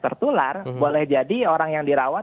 tertular boleh jadi orang yang dirawat